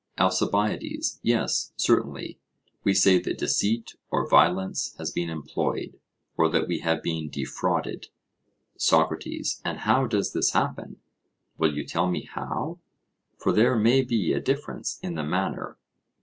ALCIBIADES: Yes, certainly; we say that deceit or violence has been employed, or that we have been defrauded. SOCRATES: And how does this happen? Will you tell me how? For there may be a difference in the manner.